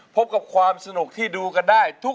พบกับความสนุกที่ดูกันได้